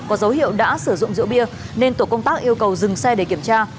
có dấu hiệu đã sử dụng rượu bia nên tổ công tác yêu cầu dừng xe để kiểm tra